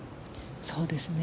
そうですね。